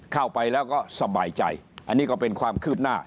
เข้าไปแล้วก็สบายใจอันนี้ก็เป็นความคืบหน้า